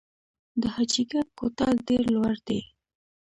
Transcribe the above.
د حاجي ګک کوتل ډیر لوړ دی